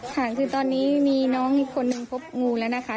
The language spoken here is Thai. ค่ะคือตอนนี้มีน้องอีกคนนึงพบงูแล้วนะคะ